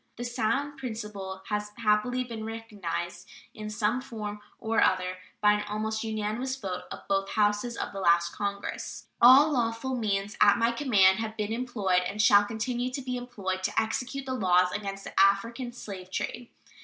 This sound principle has happily been recognized in some form or other by an almost unanimous vote of both Houses of the last Congress. All lawful means at my command have been employed, and shall continue to be employed, to execute the laws against the African slave trade.